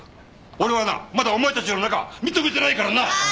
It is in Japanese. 俺はなまだお前たちの仲認めてないからなあぁ